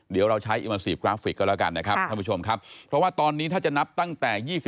เดี๋ยวเราใช้อิมาซีฟกราฟิกก็แล้วกันนะครับท่านผู้ชมครับเพราะว่าตอนนี้ถ้าจะนับตั้งแต่๒๕